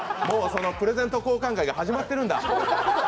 もうプレゼント交換会が始まっているんだ。